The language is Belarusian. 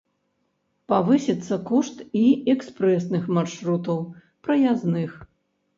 Павысіцца кошт і экспрэсных маршрутаў, праязных.